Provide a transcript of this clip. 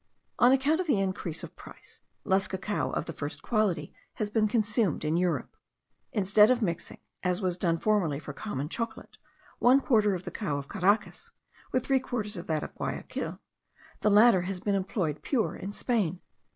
On account of the increase of price, less cacao of the first quality has been consumed in Europe. Instead of mixing, as was done formerly for common chocolate, one quarter of the cacao of Caracas, with three quarters of that of Guayaquil, the latter has been employed pure in Spain.